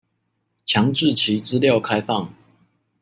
強制其資料開放